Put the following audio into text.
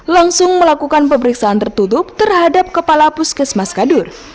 langsung melakukan pemeriksaan tertutup terhadap kepala puskesmas kadur